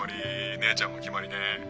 姉ちゃんも決まりね。